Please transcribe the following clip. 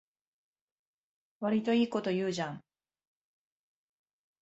わりといいこと言うじゃん